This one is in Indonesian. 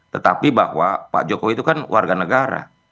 tetapi bahwa pak jokowi itu kan warga negara